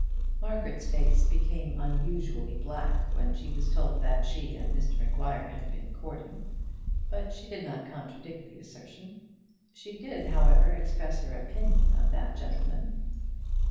Margaret's face became unusually black when she was told that she and Mr Maguire had been courting, but she did not contradict the assertion. She did, however, express her opinion of that gentleman.